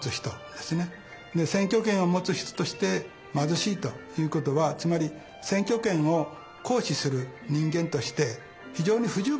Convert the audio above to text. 選挙権を持つ人として貧しいということはつまり選挙権を行使する人間として非常に不十分なんだと。